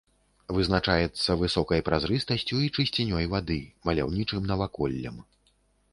Вызначаецца высокай празрыстасцю і чысцінёй вады, маляўнічым наваколлем.